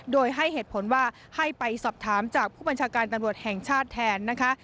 โดยให้เหตุผลว่าให้ไปสอบถามจากผู้บัญชาการตำรวจแห่งชาติแทนนะคะ